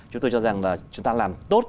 chúng tôi cho rằng là chúng ta làm tốt